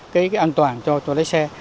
cái an toàn cho lái xe